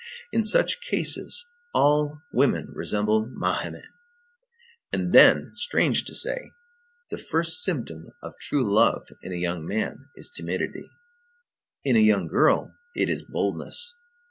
In such cases, all women resemble Mahomet. And then, strange to say, the first symptom of true love in a young man is timidity; in a young girl it is boldness.